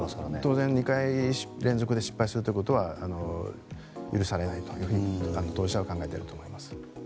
当然、２回連続で失敗は許されないと当事者は考えていると思います。